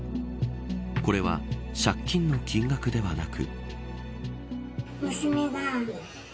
これは借金の金額ではなく。